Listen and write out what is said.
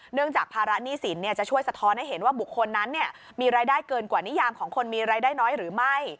จากภาระหนี้สินจะช่วยสะท้อนให้เห็นว่าบุคคลนั้นมีรายได้เกินกว่านิยามของคนมีรายได้น้อยหรือไม่